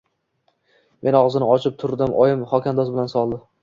Men og‘zini ochib turdim, oyim xokandoz bilan soldi.